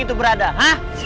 satu barang masanya